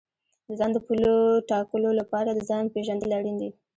د ځان د پولو ټاکلو لپاره د ځان پېژندل اړین دي.